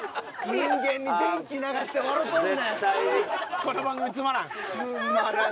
人間に電気流して笑うとんねん！